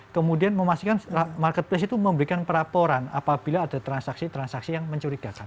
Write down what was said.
kemudian memastikan marketplace itu memberikan peraporan apabila ada transaksi transaksi yang mencurigakan